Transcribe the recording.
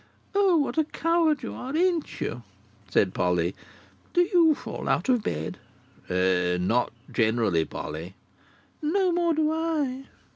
"O what a coward you are, ain't you!" said Polly. "Do you fall out of bed?" "N—not generally, Polly." "No more do I."